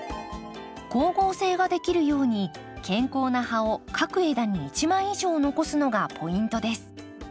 光合成ができるように健康な葉を各枝に一枚以上残すのがポイントです。